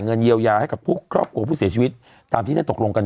เงินเยียวยาให้กับครอบครัวผู้เสียชีวิตตามที่ได้ตกลงกัน